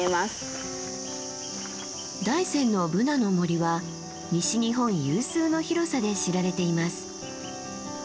大山のブナの森は西日本有数の広さで知られています。